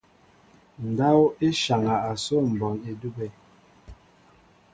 Ndáw e nsháŋa asó mbón edube.